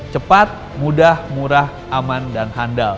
cepat mudah murah aman dan handal